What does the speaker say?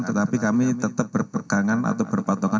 tetapi kami tetap berperkangan atau berpatokan